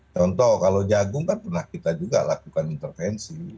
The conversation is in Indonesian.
contoh kalau jagung kan pernah kita juga lakukan intervensi